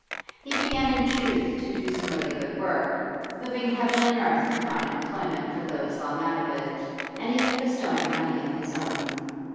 He began in truth to do some really good work, moving heaven and earth to find employment for those long out of it, and even bestowing money of his own.